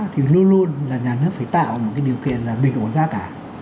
thì luôn luôn nhà nước phải tạo một điều kiện là bình ổn giá cả